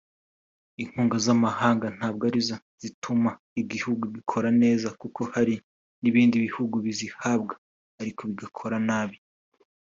inkunga z’amahanga ntabwo arizo zituma igihugu gikora neza kuko hari n’ibindi bihugu bizihabwa ariko bigakora nabi